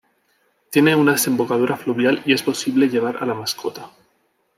Tiene una desembocadura fluvial y es posible llevar a la mascota.